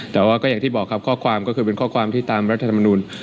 แต่ว่าก็อย่างที่บอกครับข้อความก็คือเป็นข้อความที่ตามรัฐธรรมนูล